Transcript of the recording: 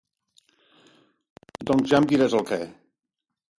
Doncs ja em diràs el què.